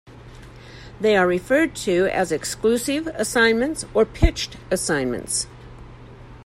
They are referred to as "exclusive" assignments or "pitched" assignments.